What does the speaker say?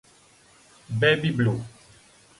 Baby Blue